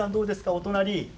お隣。